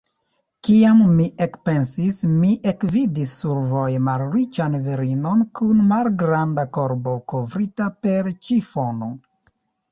Kiam mi ekpensis, mi ekvidis survoje malriĉan virinon kun malgranda korbo, kovrita per ĉifono.